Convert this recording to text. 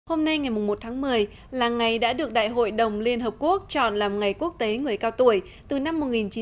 hôm nay ngày một tháng một mươi là ngày đã được đại hội đồng liên hợp quốc chọn làm ngày quốc tế người cao tuổi từ năm một nghìn chín trăm tám mươi hai